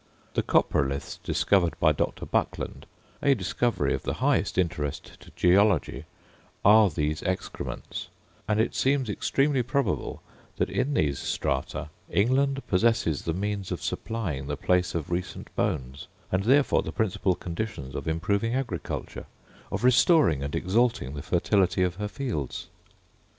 The coprolithes discovered by Dr. Buckland, (a discovery of the highest interest to Geology,) are these excrements; and it seems extremely probable that in these strata England possesses the means of supplying the place of recent bones, and therefore the principal conditions of improving agriculture of restoring and exalting the fertility of her fields.